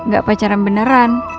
gak pacaran beneran